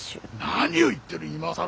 何を言ってる今更。